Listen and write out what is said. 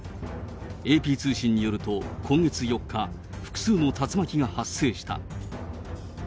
ＡＰ通信によると今月４日、複数の竜巻が発生した。